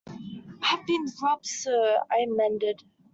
I have been robbed, sir, I amended.